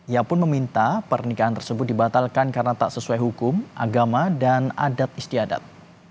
ia pun meminta pernikahan tersebut dibatalkan karena tak sesuai hukum agama dan adat istiadat